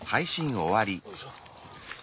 よいしょ。